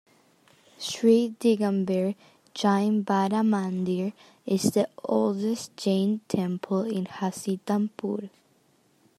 Shri Digamber Jain Bada Mandir is the oldest Jain Temple in Hastinapur.